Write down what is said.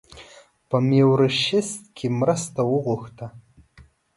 په میوریشیس کې مرسته وغوښته.